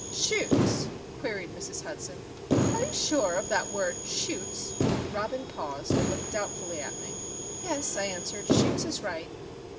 "Shoots?" queried Mrs. Hudson. "Are you sure of that word Shoots?" Robin paused, and looked doubtfully at me. "Yes," I answered. "Shoots is right."